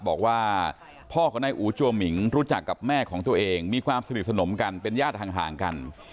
บอกว่าพ่อของนายอูจัวหมิงรู้จักกับแม่ของตัวเองมีความสนิทสนมกันเป็นญาติห่างกัน